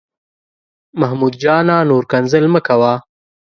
محمود جانه، نور کنځل مه کوه.